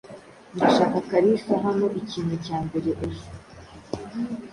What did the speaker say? Ndashaka Kalisa hano ikintu cya mbere ejo.